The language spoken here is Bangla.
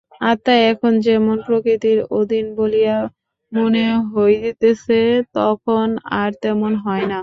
আত্মা এখন যেমন প্রকৃতির অধীন বলিয়া মনে হইতেছে, তখন আর তেমন হয় না।